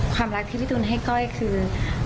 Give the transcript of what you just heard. ความรักที่พี่ตูนให้ก้อยคือ